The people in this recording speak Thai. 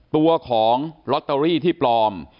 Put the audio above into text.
ตัวของลอตเตอรี่ที่ปลอม